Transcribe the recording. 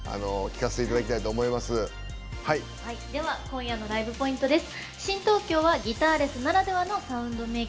今夜のライブポイントです。